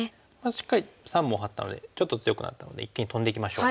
しっかり３本ハッたのでちょっと強くなったので一間にトンでいきましょう。